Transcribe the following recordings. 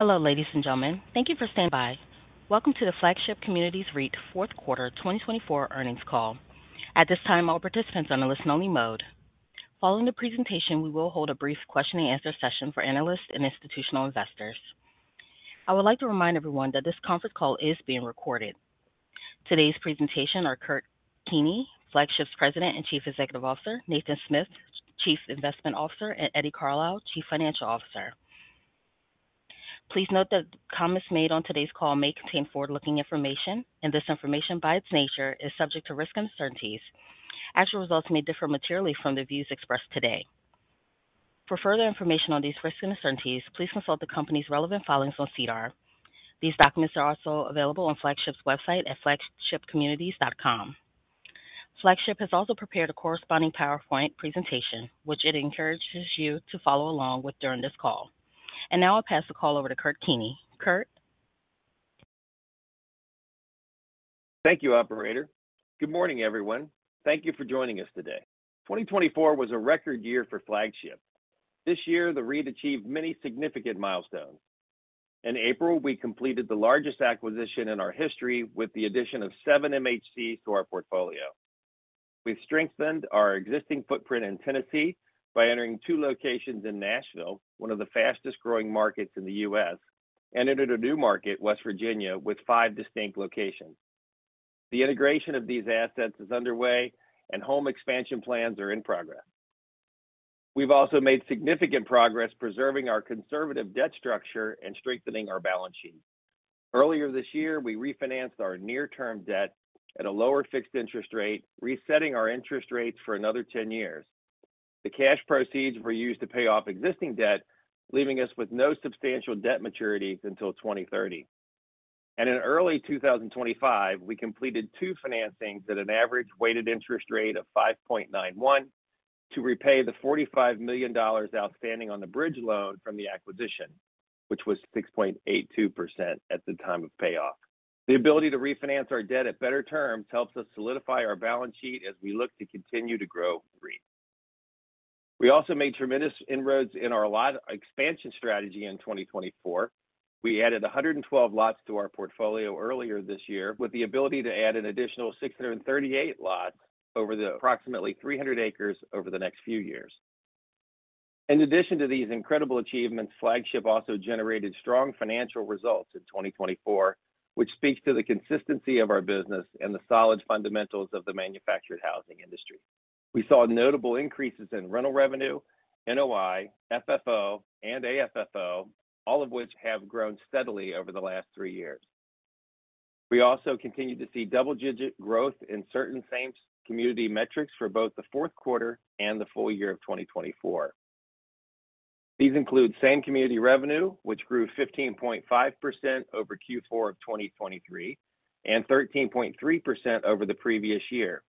Hello, ladies and gentlemen. Thank you for standing by. Welcome to the Flagship Communities Real Estate Investment Trust Fourth Quarter 2024 earnings call. At this time, all participants are in a listen-only mode. Following the presentation, we will hold a brief question-and-answer session for analysts and institutional investors. I would like to remind everyone that this conference call is being recorded. Today's presenters are Kurt Keeney, Flagship's President and Chief Executive Officer; Nathan Smith, Chief Investment Officer; and Eddie Carlisle, Chief Financial Officer. Please note that the comments made on today's call may contain forward-looking information, and this information, by its nature, is subject to risk uncertainties. Actual results may differ materially from the views expressed today. For further information on these risk uncertainties, please consult the company's relevant filings on SEDAR. These documents are also available on Flagship's website at flagshipcommunities.com. Flagship has also prepared a corresponding PowerPoint presentation, which it encourages you to follow along with during this call. I will now pass the call over to Kurt Keeney. Kurt. Thank you, Operator. Good morning, everyone. Thank you for joining us today. 2024 was a record year for Flagship. This year, the REIT achieved many significant milestones. In April, we completed the largest acquisition in our history with the addition of seven MHCs to our portfolio. We've strengthened our existing footprint in Tennessee by entering two locations in Nashville, one of the fastest-growing markets in the U.S., and entered a new market, West Virginia, with five distinct locations. The integration of these assets is underway, and home expansion plans are in progress. We've also made significant progress preserving our conservative debt structure and strengthening our balance sheet. Earlier this year, we refinanced our near-term debt at a lower fixed interest rate, resetting our interest rates for another 10 years. The cash proceeds were used to pay off existing debt, leaving us with no substantial debt maturities until 2030. In early 2025, we completed two financings at an average weighted interest rate of 5.91% to repay the $45 million outstanding on the bridge loan from the acquisition, which was 6.82% at the time of payoff. The ability to refinance our debt at better terms helps us solidify our balance sheet as we look to continue to grow the REIT. We also made tremendous inroads in our lot expansion strategy in 2024. We added 112 lots to our portfolio earlier this year, with the ability to add an additional 638 lots over the approximately 300 acres over the next few years. In addition to these incredible achievements, Flagship also generated strong financial results in 2024, which speaks to the consistency of our business and the solid fundamentals of the manufactured housing industry. We saw notable increases in rental revenue, NOI, FFO, and AFFO, all of which have grown steadily over the last three years. We also continue to see double-digit growth in certain same community metrics for both the fourth quarter and the full year of 2024. These include same community revenue, which grew 15.5% over Q4 of 2023 and 13.3% over the previous year,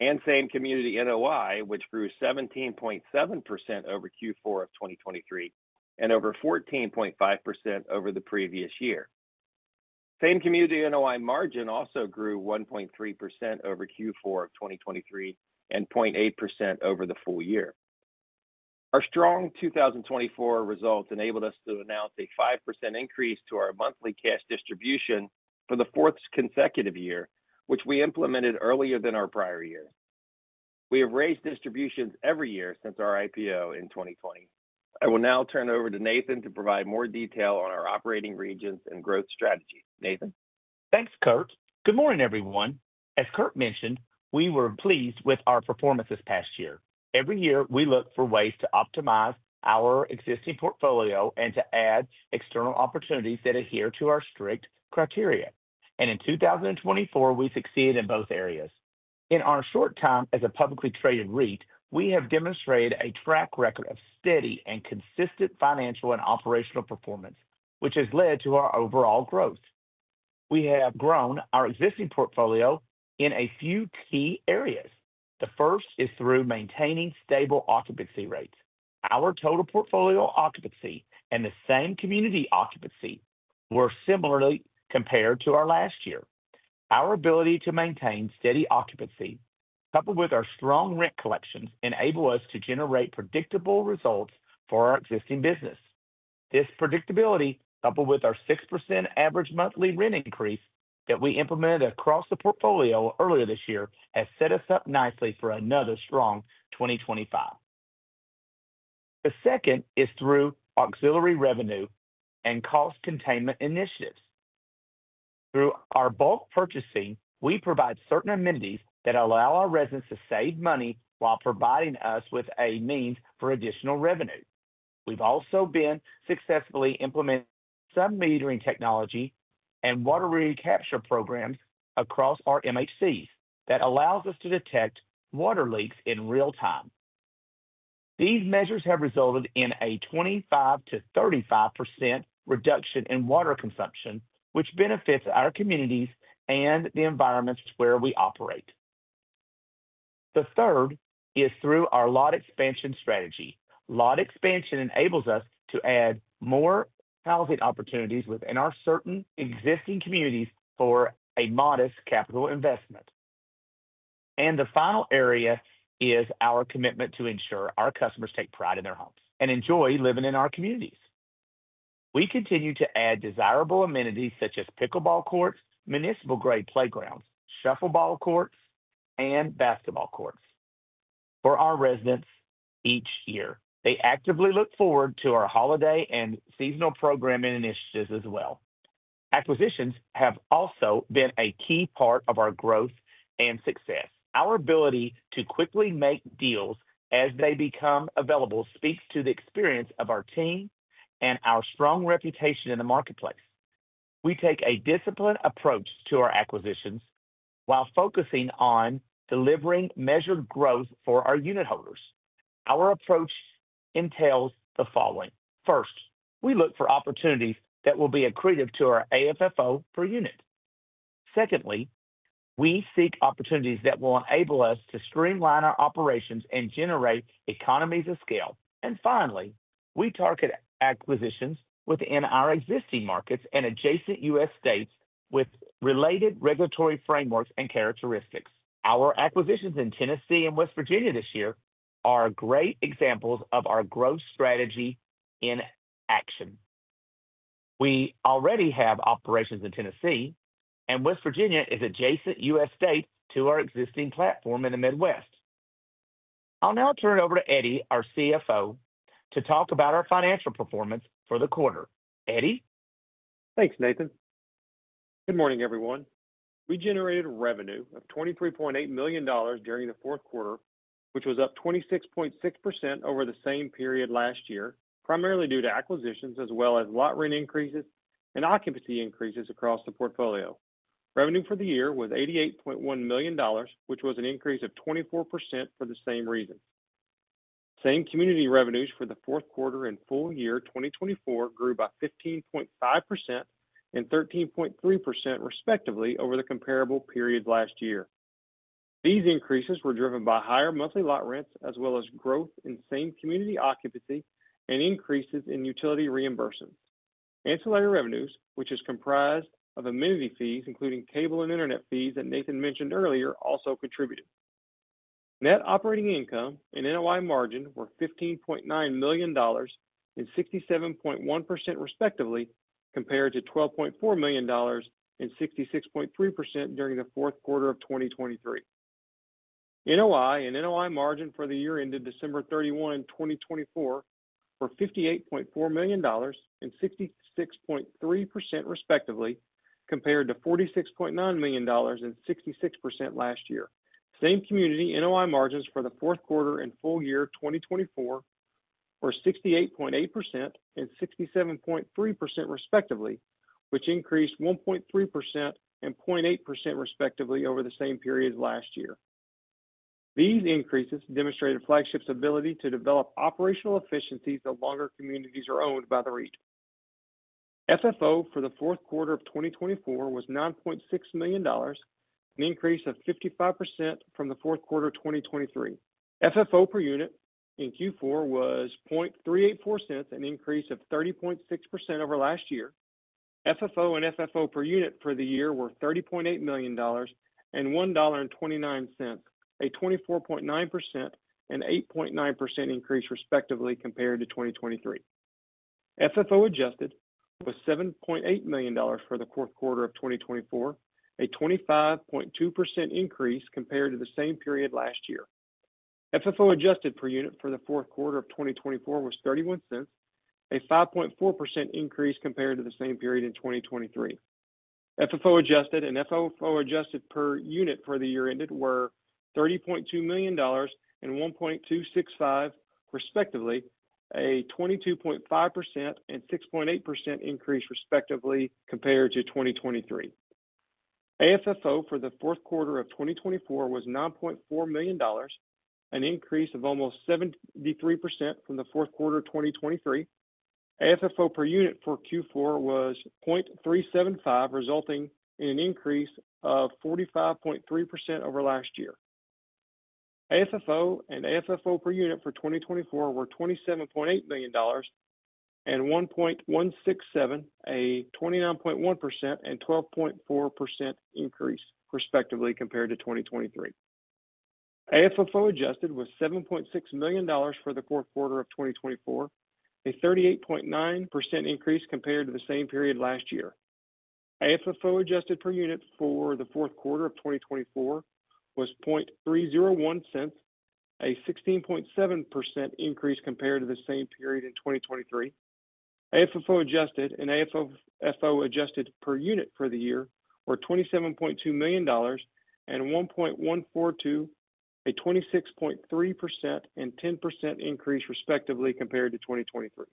and same community NOI, which grew 17.7% over Q4 of 2023 and over 14.5% over the previous year. Same community NOI margin also grew 1.3% over Q4 of 2023 and 0.8% over the full year. Our strong 2024 results enabled us to announce a 5% increase to our monthly cash distribution for the fourth consecutive year, which we implemented earlier than our prior year. We have raised distributions every year since our IPO in 2020. I will now turn it over to Nathan to provide more detail on our operating regions and growth strategy. Nathan. Thanks, Kurt. Good morning, everyone. As Kurt mentioned, we were pleased with our performance this past year. Every year, we look for ways to optimize our existing portfolio and to add external opportunities that adhere to our strict criteria. In 2024, we succeeded in both areas. In our short time as a publicly traded REIT, we have demonstrated a track record of steady and consistent financial and operational performance, which has led to our overall growth. We have grown our existing portfolio in a few key areas. The first is through maintaining stable occupancy rates. Our total portfolio occupancy and the same community occupancy were similarly compared to our last year. Our ability to maintain steady occupancy, coupled with our strong rent collections, enables us to generate predictable results for our existing business. This predictability, coupled with our 6% average monthly rent increase that we implemented across the portfolio earlier this year, has set us up nicely for another strong 2025. The second is through auxiliary revenue and cost containment initiatives. Through our bulk purchasing, we provide certain amenities that allow our residents to save money while providing us with a means for additional revenue. We've also been successfully implementing some metering technology and water recapture programs across our MHCs that allow us to detect water leaks in real time. These measures have resulted in a 25%-35% reduction in water consumption, which benefits our communities and the environments where we operate. The third is through our lot expansion strategy. Lot expansion enables us to add more housing opportunities within our certain existing communities for a modest capital investment. The final area is our commitment to ensure our customers take pride in their homes and enjoy living in our communities. We continue to add desirable amenities such as pickleball courts, municipal-grade playgrounds, shuffleball courts, and basketball courts for our residents each year. They actively look forward to our holiday and seasonal programming initiatives as well. Acquisitions have also been a key part of our growth and success. Our ability to quickly make deals as they become available speaks to the experience of our team and our strong reputation in the marketplace. We take a disciplined approach to our acquisitions while focusing on delivering measured growth for our unit holders. Our approach entails the following. First, we look for opportunities that will be accretive to our AFFO per unit. Secondly, we seek opportunities that will enable us to streamline our operations and generate economies of scale. We target acquisitions within our existing markets and adjacent U.S. states with related regulatory frameworks and characteristics. Our acquisitions in Tennessee and West Virginia this year are great examples of our growth strategy in action. We already have operations in Tennessee, and West Virginia is an adjacent U.S. state to our existing platform in the Midwest. I will now turn it over to Eddie, our CFO, to talk about our financial performance for the quarter. Eddie. Thanks, Nathan. Good morning, everyone. We generated revenue of $23.8 million during the fourth quarter, which was up 26.6% over the same period last year, primarily due to acquisitions as well as lot rent increases and occupancy increases across the portfolio. Revenue for the year was $88.1 million, which was an increase of 24% for the same reason. Same community revenues for the fourth quarter and full year 2024 grew by 15.5% and 13.3%, respectively, over the comparable period last year. These increases were driven by higher monthly lot rents, as well as growth in same community occupancy and increases in utility reimbursements. Ancillary revenues, which are comprised of amenity fees, including cable and internet fees that Nathan mentioned earlier, also contributed. Net operating income and NOI margin were $15.9 million and 67.1%, respectively, compared to $12.4 million and 66.3% during the fourth quarter of 2023. NOI and NOI margin for the year ended December 31, 2024, were $58.4 million and 66.3%, respectively, compared to $46.9 million and 66% last year. Same community NOI margins for the fourth quarter and full year 2024 were 68.8% and 67.3%, respectively, which increased 1.3% and 0.8%, respectively, over the same period last year. These increases demonstrated Flagship's ability to develop operational efficiencies the longer communities are owned by the REIT. FFO for the fourth quarter of 2024 was $9.6 million, an increase of 55% from the fourth quarter of 2023. FFO per unit in Q4 was $0.384, an increase of 30.6% over last year. FFO and FFO per unit for the year were $30.8 million and $1.29, a 24.9% and 8.9% increase, respectively, compared to 2023. FFO adjusted was $7.8 million for the fourth quarter of 2024, a 25.2% increase compared to the same period last year. FFO adjusted per unit for the fourth quarter of 2024 was $0.31, a 5.4% increase compared to the same period in 2023. FFO adjusted and FFO adjusted per unit for the year ended were $30.2 million and $1.265, respectively, a 22.5% and 6.8% increase, respectively, compared to 2023. AFFO for the fourth quarter of 2024 was $9.4 million, an increase of almost 73% from the fourth quarter of 2023. AFFO per unit for Q4 was $0.375, resulting in an increase of 45.3% over last year. AFFO and AFFO per unit for 2024 were $27.8 million and $1.167, a 29.1% and 12.4% increase, respectively, compared to 2023. AFFO adjusted was $7.6 million for the fourth quarter of 2024, a 38.9% increase compared to the same period last year. AFFO adjusted per unit for the fourth quarter of 2024 was $0.301, a 16.7% increase compared to the same period in 2023. AFFO adjusted and AFFO adjusted per unit for the year were $27.2 million and $1.142, a 26.3% and 10% increase, respectively, compared to 2023.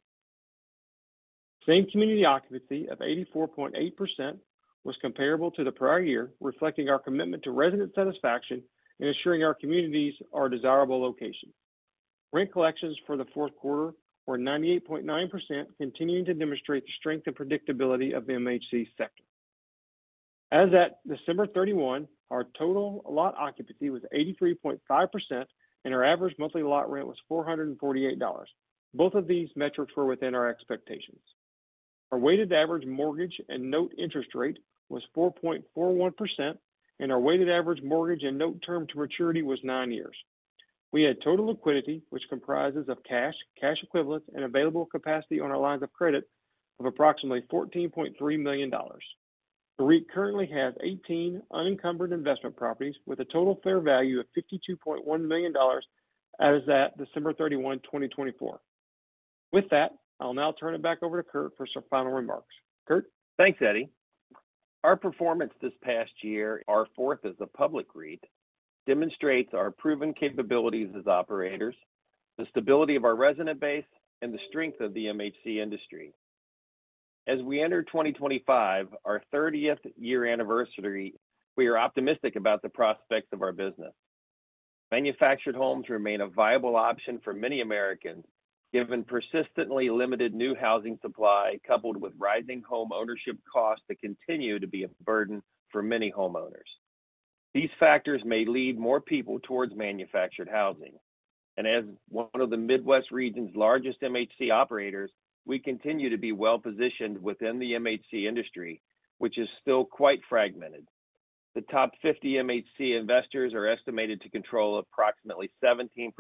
Same community occupancy of 84.8% was comparable to the prior year, reflecting our commitment to resident satisfaction and ensuring our communities are desirable locations. Rent collections for the fourth quarter were 98.9%, continuing to demonstrate the strength and predictability of the MHC sector. As of December 31, our total lot occupancy was 83.5%, and our average monthly lot rent was $448. Both of these metrics were within our expectations. Our weighted average mortgage and note interest rate was 4.41%, and our weighted average mortgage and note term to maturity was nine years. We had total liquidity, which comprises of cash, cash equivalents, and available capacity on our lines of credit of approximately $14.3 million. The REIT currently has 18 unencumbered investment properties with a total fair value of $52.1 million as of December 31, 2024. With that, I'll now turn it back over to Kurt for some final remarks. Kurt? Thanks, Eddie. Our performance this past year, our fourth as a public REIT, demonstrates our proven capabilities as operators, the stability of our resident base, and the strength of the MHC industry. As we enter 2025, our 30th year anniversary, we are optimistic about the prospects of our business. Manufactured homes remain a viable option for many Americans, given persistently limited new housing supply, coupled with rising homeownership costs that continue to be a burden for many homeowners. These factors may lead more people towards manufactured housing. As one of the Midwest region's largest MHC operators, we continue to be well-positioned within the MHC industry, which is still quite fragmented. The top 50 MHC investors are estimated to control approximately 17%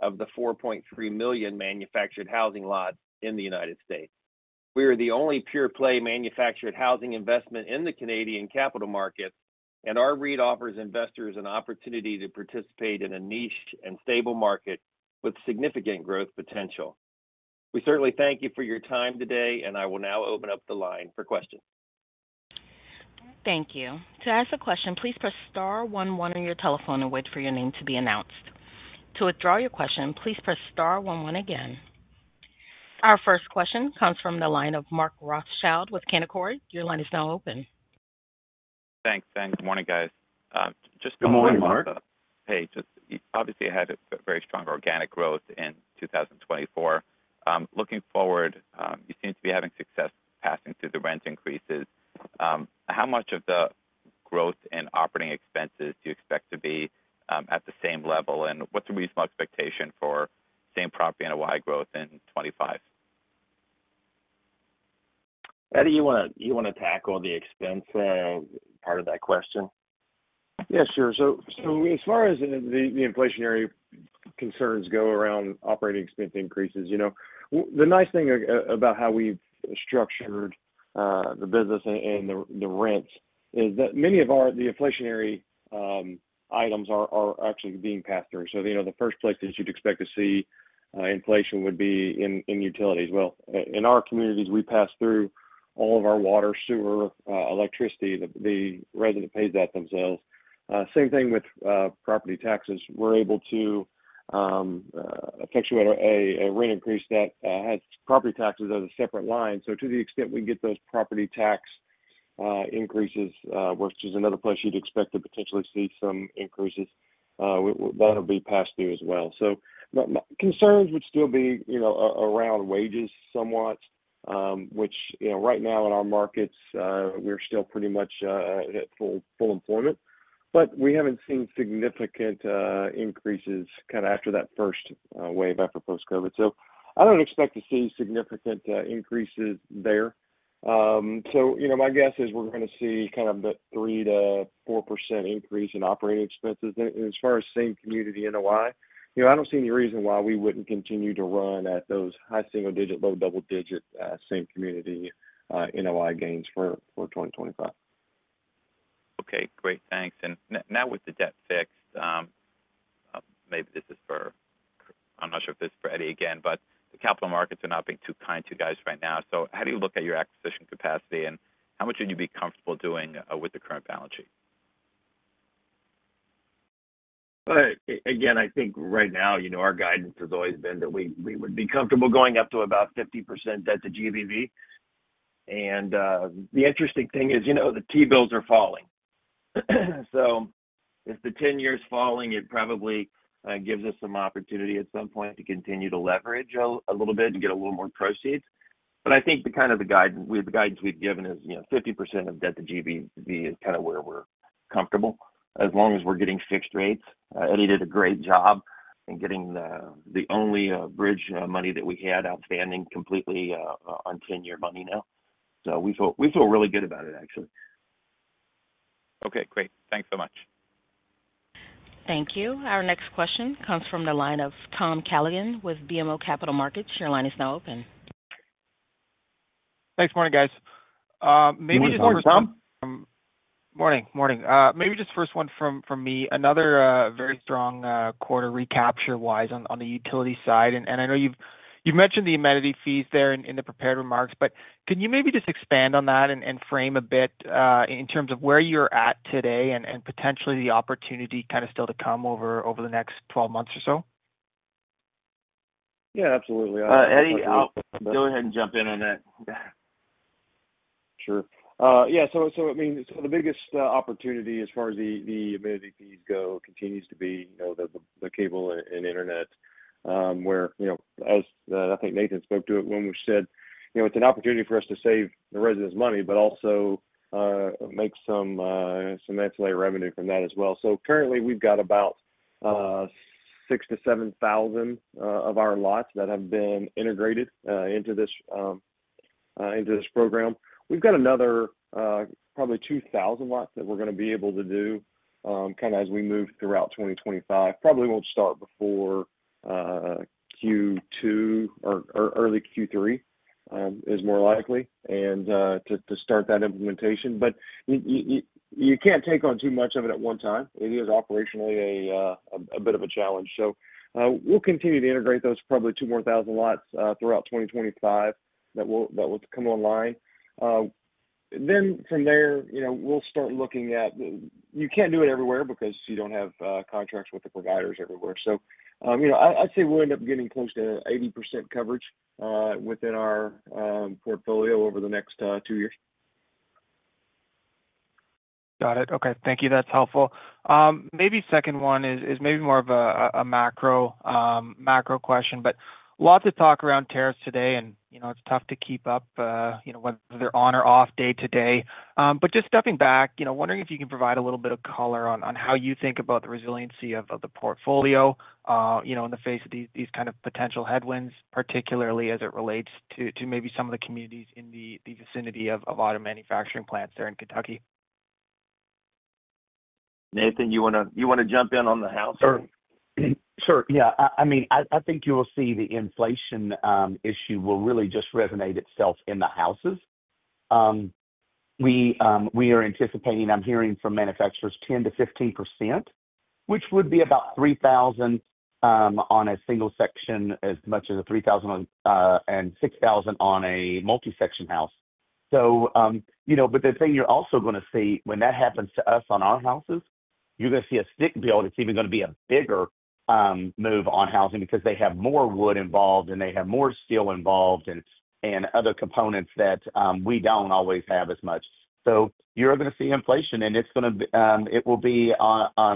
of the 4.3 million manufactured housing lots in the United States. We are the only pure-play manufactured housing investment in the Canadian capital markets, and our REIT offers investors an opportunity to participate in a niche and stable market with significant growth potential. We certainly thank you for your time today, and I will now open up the line for questions. Thank you. To ask a question, please press star one one your telephone and wait for your name to be announced. To withdraw your question, please press star one one again. Our first question comes from the line of Mark Rothschild with Canaccord. Your line is now open. Thanks, and good morning, guys. Good morning, Mark. Hey, just obviously, you had a very strong organic growth in 2024. Looking forward, you seem to be having success passing through the rent increases. How much of the growth in operating expenses do you expect to be at the same level, and what's the reasonable expectation for same property NOI growth in 2025? Eddie, you want to tackle the expense part of that question? Yeah, sure. As far as the inflationary concerns go around operating expense increases, you know the nice thing about how we've structured the business and the rents is that many of our inflationary items are actually being passed through. The first place that you'd expect to see inflation would be in utilities. In our communities, we pass through all of our water, sewer, electricity. The resident pays that themselves. Same thing with property taxes. We're able to effectuate a rent increase that has property taxes as a separate line. To the extent we get those property tax increases, which is another place you'd expect to potentially see some increases, that'll be passed through as well. Concerns would still be around wages somewhat, which right now in our markets, we're still pretty much at full employment. We have not seen significant increases kind of after that first wave after post-COVID. I do not expect to see significant increases there. My guess is we are going to see kind of the 3%-4% increase in operating expenses. As far as same community NOI, I do not see any reason why we would not continue to run at those high single-digit, low double-digit same community NOI gains for 2025. Okay, great. Thanks. Now with the debt fixed, maybe this is for, I am not sure if this is for Eddie again, but the capital markets are not being too kind to you guys right now. How do you look at your acquisition capacity, and how much would you be comfortable doing with the current balance sheet? Again, I think right now our guidance has always been that we would be comfortable going up to about 50% debt to GBV. The interesting thing is the T-bills are falling. If the 10-year is falling, it probably gives us some opportunity at some point to continue to leverage a little bit and get a little more proceeds. I think the kind of guidance we've given is 50% of debt to GBV is kind of where we're comfortable as long as we're getting fixed rates. Eddie did a great job in getting the only bridge money that we had outstanding completely on 10-year money now. We feel really good about it, actually. Okay, great. Thanks so much. Thank you. Our next question comes from the line of Tom Callaghan with BMO Capital Markets. Your line is now open. Thanks. Morning, guys. Maybe just first one— Morning, Tom. Morning. Morning. Maybe just first one from me. Another very strong quarter recapture-wise on the utility side. I know you've mentioned the amenity fees there in the prepared remarks, but can you maybe just expand on that and frame a bit in terms of where you're at today and potentially the opportunity kind of still to come over the next 12 months or so? Yeah, absolutely. Eddie, go ahead and jump in on that. Sure. Yeah. I mean, the biggest opportunity as far as the amenity fees go continues to be the cable and internet where, as I think Nathan spoke to it when we said, it's an opportunity for us to save the residents' money, but also make some ancillary revenue from that as well. Currently, we've got about 6,000 to 7,000 of our lots that have been integrated into this program. We've got another probably 2,000 lots that we're going to be able to do kind of as we move throughout 2025. Probably won't start before Q2 or early Q3 is more likely to start that implementation. You can't take on too much of it at one time. It is operationally a bit of a challenge. We'll continue to integrate those probably 2,000 lots throughout 2025 that will come online. From there, we'll start looking at you can't do it everywhere because you don't have contracts with the providers everywhere. I'd say we'll end up getting close to 80% coverage within our portfolio over the next two years. Got it. Okay. Thank you. That's helpful. Maybe second one is maybe more of a macro question, but lots of talk around tariffs today, and it's tough to keep up whether they're on or off day-to-day. Just stepping back, wondering if you can provide a little bit of color on how you think about the resiliency of the portfolio in the face of these kind of potential headwinds, particularly as it relates to maybe some of the communities in the vicinity of auto manufacturing plants there in Kentucky. Nathan, you want to jump in on the house? Sure. Yeah. I mean, I think you will see the inflation issue will really just resonate itself in the houses. We are anticipating, I'm hearing from manufacturers, 10%-15%, which would be about $3,000 on a single section, as much as $3,000 and $6,000 on a multi-section house. The thing you're also going to see when that happens to us on our houses, you're going to see a stick build. It's even going to be a bigger move on housing because they have more wood involved, and they have more steel involved, and other components that we don't always have as much. You are going to see inflation, and it will be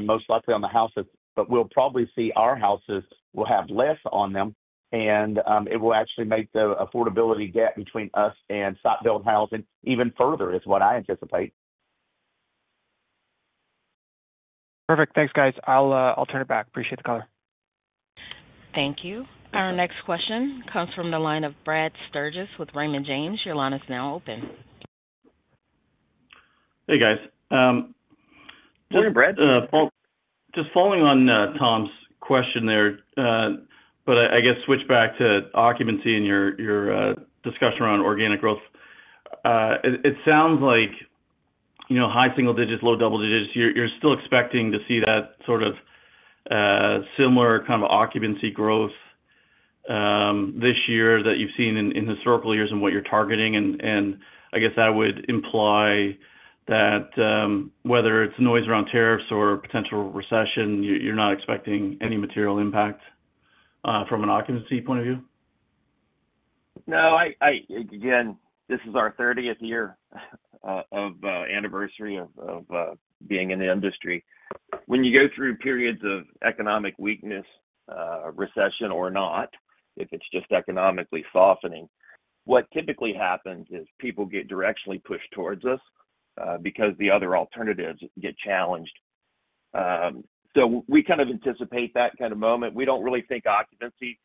most likely on the houses, but we'll probably see our houses will have less on them, and it will actually make the affordability gap between us and stick-built housing even further, is what I anticipate. Perfect. Thanks, guys. I'll turn it back. Appreciate the call. Thank you. Our next question comes from the line of Brad Sturges with Raymond James. Your line is now open. Hey, guys. Morning, Brad. Just following on Tom's question there, but I guess switch back to occupancy and your discussion around organic growth. It sounds like high single digits, low double digits. You're still expecting to see that sort of similar kind of occupancy growth this year that you've seen in historical years and what you're targeting. I guess that would imply that whether it's noise around tariffs or potential recession, you're not expecting any material impact from an occupancy point of view? No. Again, this is our 30th year of anniversary of being in the industry. When you go through periods of economic weakness, recession, or not, if it's just economically softening, what typically happens is people get directionally pushed towards us because the other alternatives get challenged. We kind of anticipate that kind of moment. We do not really think occupancy.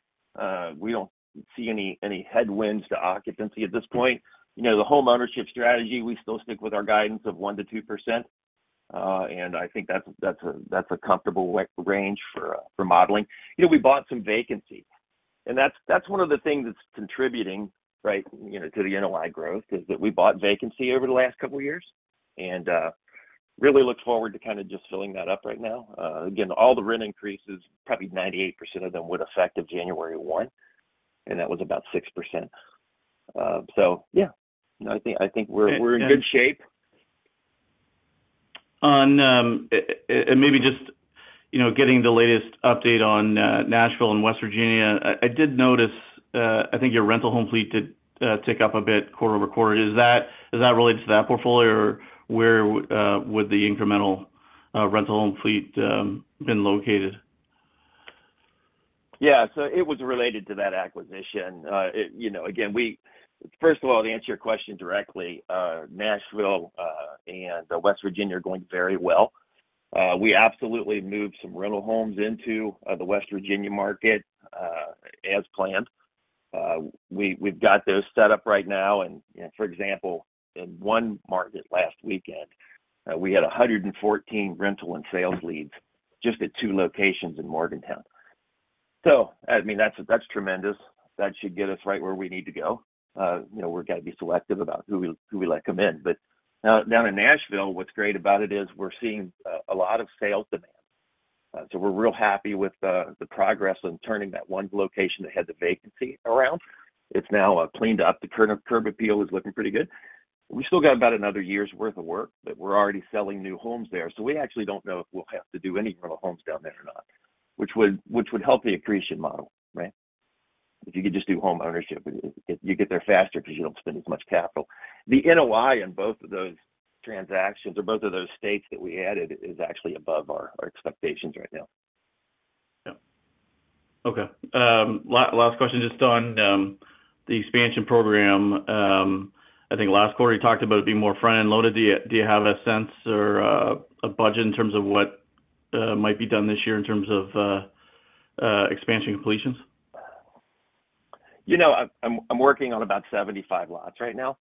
We do not see any headwinds to occupancy at this point. The homeownership strategy, we still stick with our guidance of 1%-2%. I think that's a comfortable range for modeling. We bought some vacancy. That's one of the things that's contributing, right, to the NOI growth, is that we bought vacancy over the last couple of years. I really look forward to kind of just filling that up right now. Again, all the rent increases, probably 98% of them would affect as of January 1, and that was about 6%. Yeah, I think we're in good shape. Maybe just getting the latest update on Nashville and West Virginia, I did notice I think your rental home fleet did tick up a bit, quarter over quarter. Is that related to that portfolio, or where would the incremental rental home fleet have been located? Yeah. So it was related to that acquisition. Again, first of all, to answer your question directly, Nashville and West Virginia are going very well. We absolutely moved some rental homes into the West Virginia market as planned. We've got those set up right now. For example, in one market last weekend, we had 114 rental and sales leads just at two locations in Morgantown. I mean, that's tremendous. That should get us right where we need to go. We're going to be selective about who we let come in. Now in Nashville, what's great about it is we're seeing a lot of sales demand. We're real happy with the progress on turning that one location that had the vacancy around. It's now cleaned up. The curb appeal is looking pretty good. We still got about another year's worth of work, but we're already selling new homes there. We actually don't know if we'll have to do any rental homes down there or not, which would help the accretion model, right? If you could just do homeownership, you get there faster because you don't spend as much capital. The NOI on both of those transactions or both of those states that we added is actually above our expectations right now. Yeah. Okay. Last question just on the expansion program. I think last quarter you talked about it being more front-end loaded. Do you have a sense or a budget in terms of what might be done this year in terms of expansion completions? I'm working on about 75 lots right now.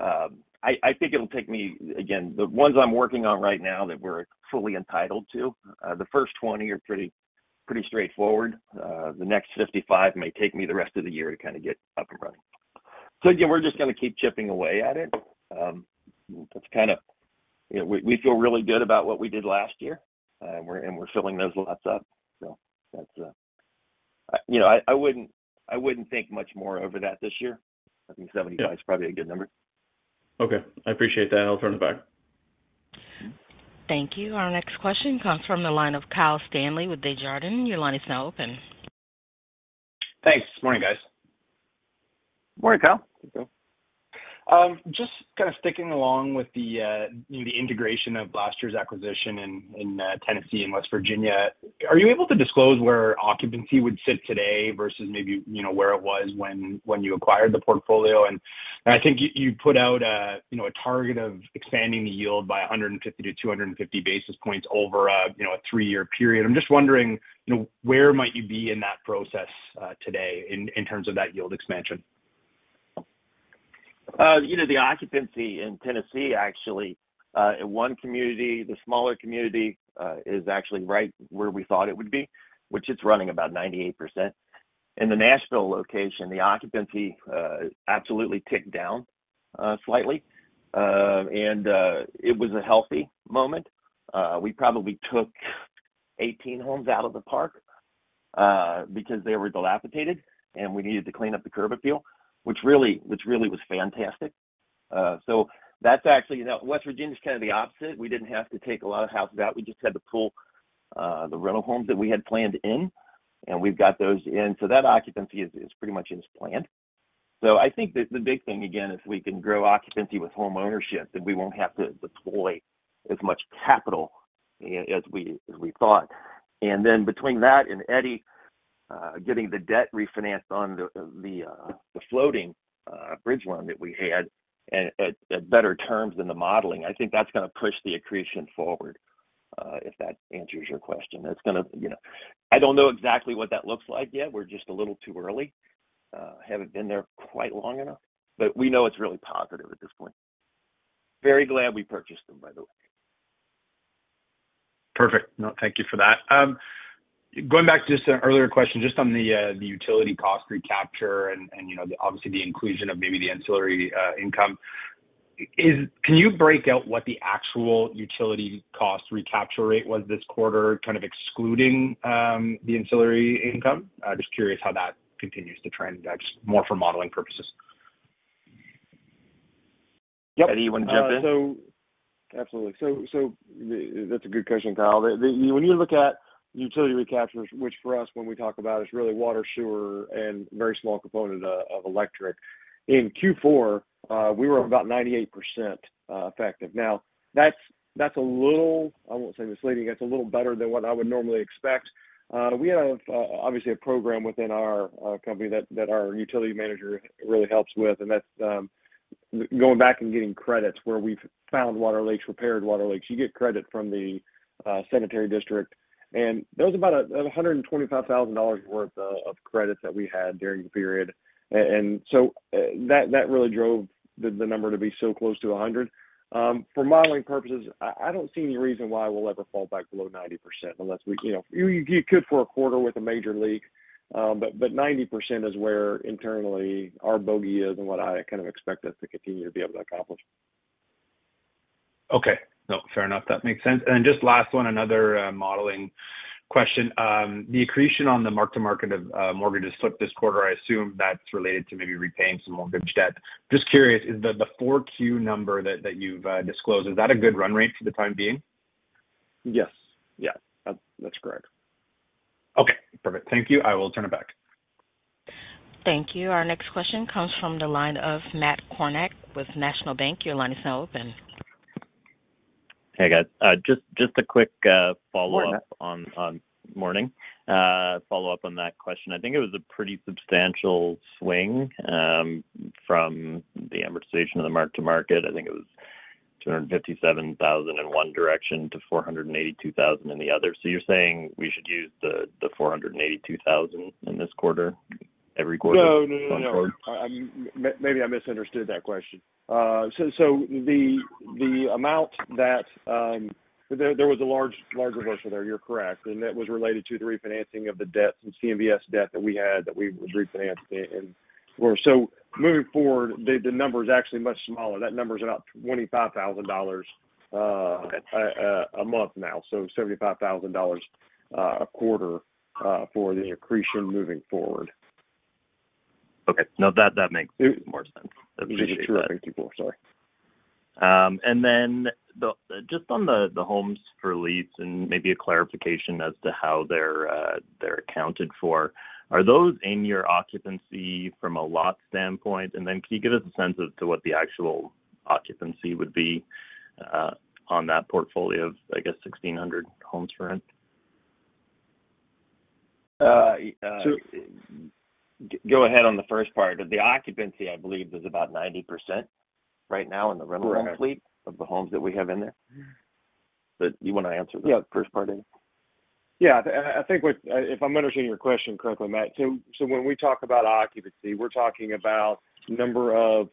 I think it'll take me, again, the ones I'm working on right now that we're fully entitled to, the first 20 are pretty straightforward. The next 55 may take me the rest of the year to kind of get up and running. Again, we're just going to keep chipping away at it. That's kind of we feel really good about what we did last year, and we're filling those lots up. I wouldn't think much more over that this year. I think 75 is probably a good number. Okay. I appreciate that. I'll turn it back. Thank you. Our next question comes from the line of Kyle Stanley with Desjardins. Your line is now open. Thanks. Morning, guys. Morning, Kyle. Just kind of sticking along with the integration of last year's acquisition in Tennessee and West Virginia, are you able to disclose where occupancy would sit today versus maybe where it was when you acquired the portfolio? I think you put out a target of expanding the yield by 150 to 250 basis points over a three-year period. I'm just wondering, where might you be in that process today in terms of that yield expansion? The occupancy in Tennessee, actually, in one community, the smaller community is actually right where we thought it would be, which it's running about 98%. In the Nashville location, the occupancy absolutely ticked down slightly. It was a healthy moment. We probably took 18 homes out of the park because they were dilapidated, and we needed to clean up the curb appeal, which really was fantastic. West Virginia is kind of the opposite. We did not have to take a lot of houses out. We just had to pull the rental homes that we had planned in, and we have got those in. That occupancy is pretty much in its plan. I think the big thing, again, if we can grow occupancy with homeownership, then we will not have to deploy as much capital as we thought. Between that and Eddie getting the debt refinanced on the floating bridge loan that we had at better terms than the modeling, I think that's going to push the accretion forward if that answers your question. It's going to—I don't know exactly what that looks like yet. We're just a little too early. Haven't been there quite long enough, but we know it's really positive at this point. Very glad we purchased them, by the way. Perfect. Thank you for that. Going back to just an earlier question, just on the utility cost recapture and obviously the inclusion of maybe the ancillary income, can you break out what the actual utility cost recapture rate was this quarter, kind of excluding the ancillary income? Just curious how that continues to trend, more for modeling purposes. Yep. Eddie, you want to jump in? Absolutely. That is a good question, Kyle. When you look at utility recaptures, which for us, when we talk about it, is really water, sewer, and a very small component of electric. In Q4, we were about 98% effective. Now, that is a little—I will not say misleading. That is a little better than what I would normally expect. We have, obviously, a program within our company that our utility manager really helps with. That is going back and getting credits where we have found water leaks, repaired water leaks. You get credit from the sanitary district. That was about $125,000 worth of credits that we had during the period. That really drove the number to be so close to 100%. For modeling purposes, I do not see any reason why we will ever fall back below 90% unless you could for a quarter with a major leak. But 90% is where internally our bogey is and what I kind of expect us to continue to be able to accomplish. Okay. No, fair enough. That makes sense. Then just last one, another modeling question. The accretion on the mark-to-market of mortgages slipped this quarter. I assume that's related to maybe repaying some mortgage debt. Just curious, the Q4 number that you've disclosed, is that a good run rate for the time being? Yes. Yeah. That's correct. Okay. Perfect. Thank you. I will turn it back. Thank you. Our next question comes from the line of Matt Kornack with National Bank. Your line is now open. Hey, guys. Just a quick follow-up on morning. Follow-up on that question. I think it was a pretty substantial swing from the amortization of the mark-to-market. I think it was $257,000 in one direction to $482,000 in the other. You're saying we should use the $482,000 in this quarter, every quarter? No, no, no. Maybe I misunderstood that question. The amount that there was a large reversal there. You're correct. That was related to the refinancing of the debt, some CMBS debt that we had that we refinanced. Moving forward, the number is actually much smaller. That number's about $25,000 a month now. $75,000 a quarter for the accretion moving forward. Okay. No, that makes more sense. That's usually true for Q4. Sorry. Just on the homes for lease and maybe a clarification as to how they're accounted for, are those in your occupancy from a lot standpoint? Can you give us a sense as to what the actual occupancy would be on that portfolio of, I guess, 1,600 homes for rent? Go ahead on the first part. The occupancy, I believe, is about 90% right now in the rental home fleet of the homes that we have in there. But you want to answer the first part of it? Yeah. I think if I'm understanding your question correctly, Matt, when we talk about occupancy, we're talking about the number of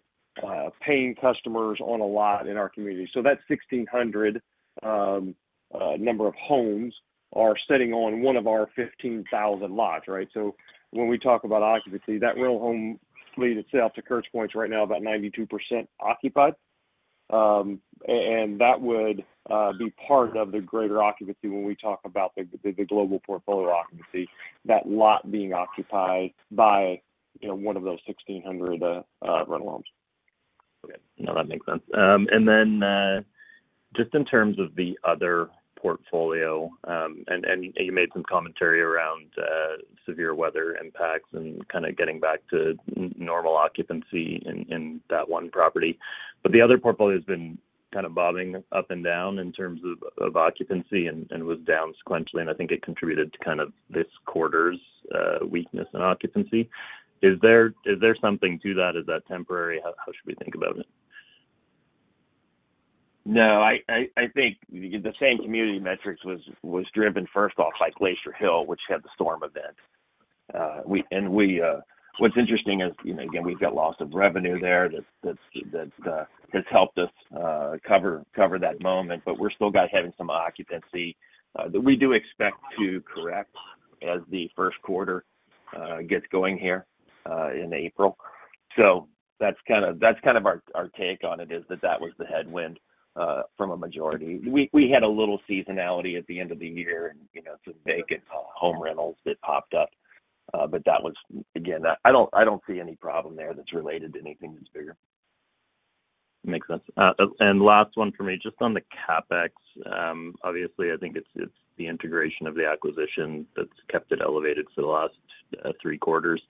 paying customers on a lot in our community. That 1,600 number of homes are sitting on one of our 15,000 lots, right? When we talk about occupancy, that rental home fleet itself to Kurt's point is right now about 92% occupied. That would be part of the greater occupancy when we talk about the global portfolio occupancy, that lot being occupied by one of those 1,600 rental homes. Okay. No, that makes sense. Just in terms of the other portfolio, you made some commentary around severe weather impacts and kind of getting back to normal occupancy in that one property. The other portfolio has been kind of bobbing up and down in terms of occupancy and was down sequentially. I think it contributed to this quarter's weakness in occupancy. Is there something to that? Is that temporary? How should we think about it? No. I think the same community metrics was driven, first off, by Glacier Hill, which had the storm event. What's interesting is, again, we've got lots of revenue there that has helped us cover that moment. We're still having some occupancy that we do expect to correct as the first quarter gets going here in April. That's kind of our take on it, is that that was the headwind from a majority. We had a little seasonality at the end of the year and some vacant home rentals that popped up. That was, again, I don't see any problem there that's related to anything that's bigger. Makes sense. Last one for me, just on the CapEx. Obviously, I think it's the integration of the acquisition that's kept it elevated for the last three quarters.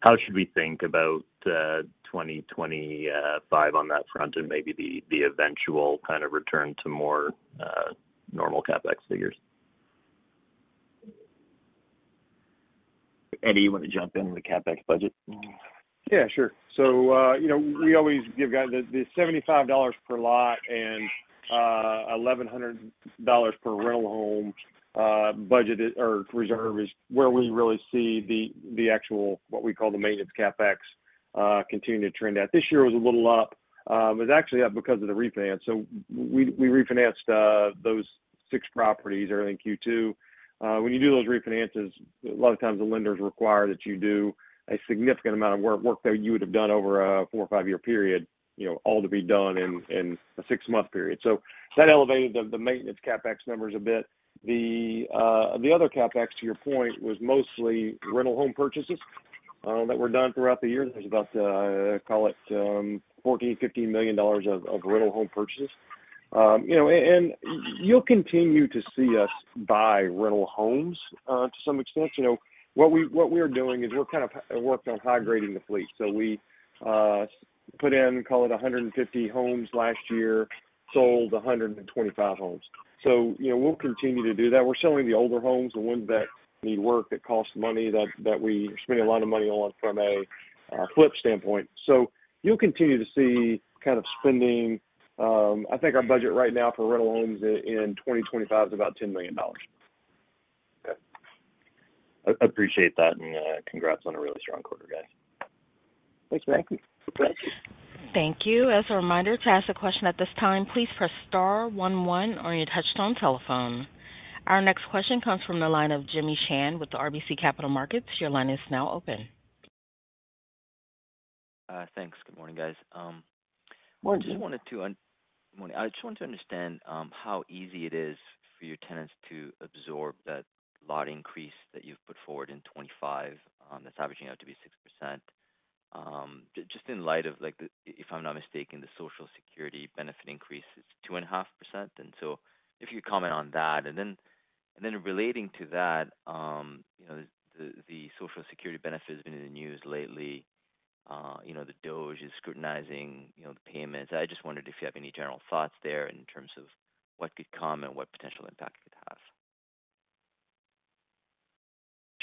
How should we think about 2025 on that front and maybe the eventual kind of return to more normal CapEx figures? Eddie, you want to jump in with the CapEx budget? Yeah, sure. We always give guys the $75 per lot and $1,100 per rental home budget or reserve is where we really see the actual, what we call the maintenance CapEx, continue to trend out. This year was a little up. It was actually up because of the refinance. We refinanced those six properties early in Q2. When you do those refinances, a lot of times the lenders require that you do a significant amount of work that you would have done over a four- or five-year period, all to be done in a six-month period. That elevated the maintenance CapEx numbers a bit. The other CapEx, to your point, was mostly rental home purchases that were done throughout the year. There is about, call it, $14 million to $15 million of rental home purchases. You will continue to see us buy rental homes to some extent. What we are doing is we're kind of working on hydrating the fleet. We put in, call it, 150 homes last year, sold 125 homes. We will continue to do that. We are selling the older homes, the ones that need work that cost money that we spend a lot of money on from a flip standpoint. You will continue to see kind of spending. I think our budget right now for rental homes in 2025 is about $10 million. Okay. Appreciate that. Congrats on a really strong quarter, guys. Thanks, Matt. Thank you. As a reminder, to ask a question at this time, please press star one one on your touchstone telephone. Our next question comes from the line of Jimmy Shan with RBC Capital Markets. Your line is now open. Thanks. Good morning, guys. Morning. Just wanted to—morning. I just wanted to understand how easy it is for your tenants to absorb that lot increase that you've put forward in 2025 that's averaging out to be 6%. Just in light of, if I'm not mistaken, the Social Security benefit increase is 2.5%. If you could comment on that. Then relating to that, the Social Security benefit has been in the news lately. The DOGE is scrutinizing the payments. I just wondered if you have any general thoughts there in terms of what could come and what potential impact it could have.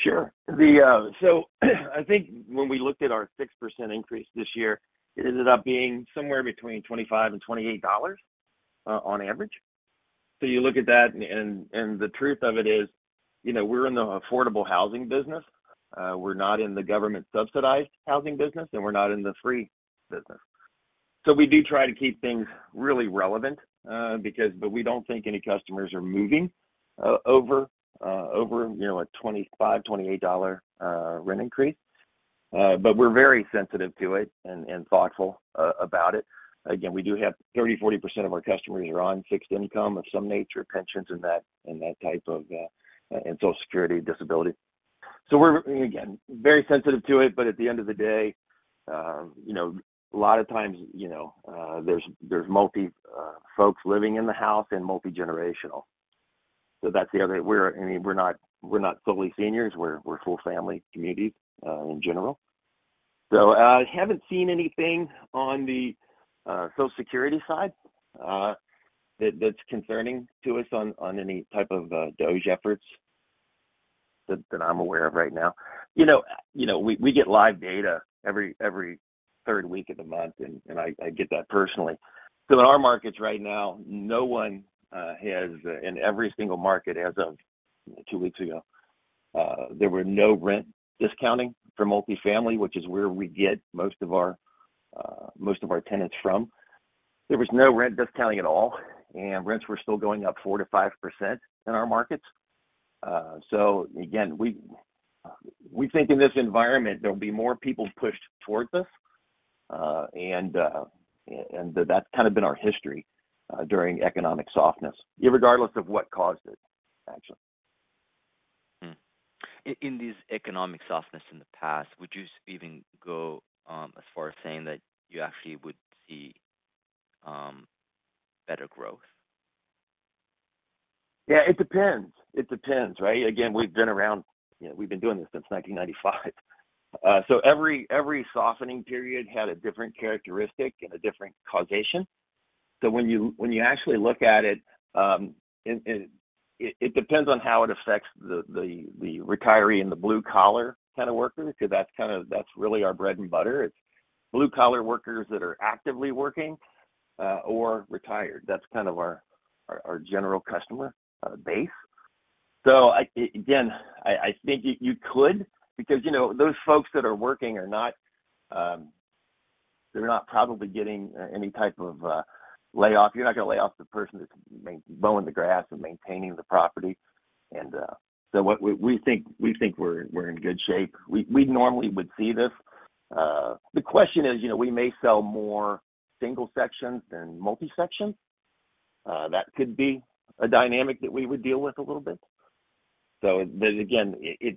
Sure. I think when we looked at our 6% increase this year, it ended up being somewhere between $25 to $28 on average. You look at that, and the truth of it is we're in the affordable housing business. We're not in the government-subsidized housing business, and we're not in the free business. We do try to keep things really relevant because we don't think any customers are moving over a $25 to $28 rent increase. We're very sensitive to it and thoughtful about it. Again, we do have 30%-40% of our customers on fixed income of some nature, pensions and that type of and Social Security, disability. We're, again, very sensitive to it. At the end of the day, a lot of times there's multi-folks living in the house and multi-generational. That's the other thing. I mean, we're not solely seniors. We're full-family communities in general. I haven't seen anything on the Social Security side that's concerning to us on any type of DOGE efforts that I'm aware of right now. We get live data every third week of the month, and I get that personally. In our markets right now, no one has—in every single market as of two weeks ago, there were no rent discounting for multi-family, which is where we get most of our tenants from. There was no rent discounting at all, and rents were still going up 4%-5% in our markets. Again, we think in this environment, there'll be more people pushed towards us. That's kind of been our history during economic softness, regardless of what caused it, actually. In these economic softness in the past, would you even go as far as saying that you actually would see better growth? Yeah. It depends. It depends, right? Again, we've been around—we've been doing this since 1995. Every softening period had a different characteristic and a different causation. When you actually look at it, it depends on how it affects the retiree and the blue-collar kind of workers because that's really our bread and butter. It's blue-collar workers that are actively working or retired. That's kind of our general customer base. Again, I think you could because those folks that are working are not—they're not probably getting any type of layoff. You're not going to lay off the person that's mowing the grass and maintaining the property. We think we're in good shape. We normally would see this. The question is we may sell more single sections than multi-sections. That could be a dynamic that we would deal with a little bit. It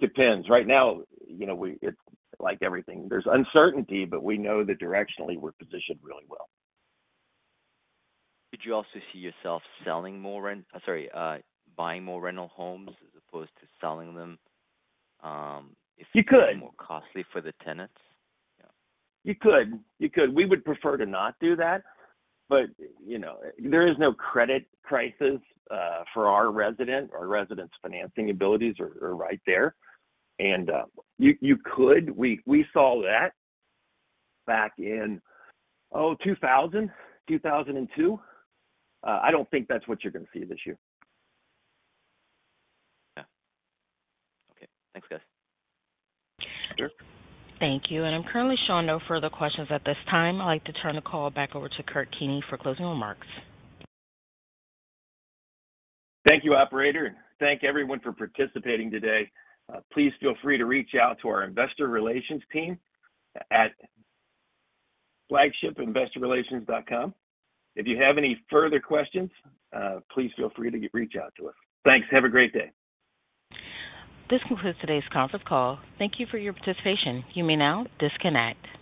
depends. Right now, it's like everything. There's uncertainty, but we know that directionally we're positioned really well. Did you also see yourself selling more, sorry, buying more rental homes as opposed to selling them if it's more costly for the tenants? You could. You could. We would prefer to not do that. There is no credit crisis for our resident. Our residents' financing abilities are right there. You could. We saw that back in, oh, 2000, 2002. I do not think that is what you are going to see this year. Yeah. Okay. Thanks, guys. Sure. Thank you. I'm currently showing no further questions at this time. I'd like to turn the call back over to Kurt Keeney for closing remarks. Thank you, operator. Thank everyone for participating today. Please feel free to reach out to our investor relations team at flagshipinvestorelations.com. If you have any further questions, please feel free to reach out to us. Thanks. Have a great day. This concludes today's conference call. Thank you for your participation. You may now disconnect.